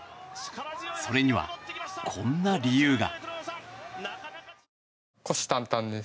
それには、こんな理由が。